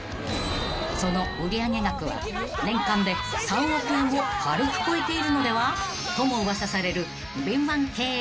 ［その売上額は年間で３億円を軽く超えているのでは？とも噂される］